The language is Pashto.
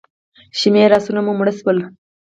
شمېر آسونه مو مړه شول.